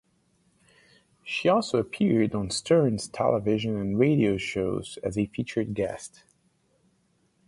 She also appeared on Stern's television and radio shows as a featured guest.